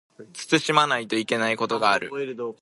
慎まないといけないことがある